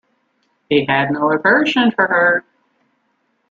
He had no aversion for her.